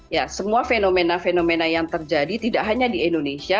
ya semua fenomena fenomena yang terjadi tidak hanya di indonesia